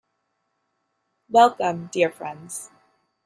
Welcome, dear friends.